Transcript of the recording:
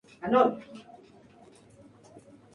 Su forma de tiro con arco es muy libre y flexible.